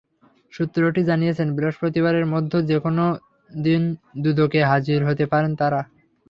সূত্রটি জানিয়েছে, বৃহস্পতিবারের মধ্যে যেকোনো দিন দুদকে হাজির হতে পারেন তাঁরা।